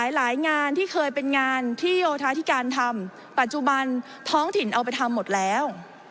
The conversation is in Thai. หลายงานที่เคยเป็นงานที่โยธาธิการทำปัจจุบันท้องถิ่นเอาไปทำหมดแล้ว